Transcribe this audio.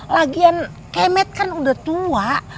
lagian kemet kan udah tua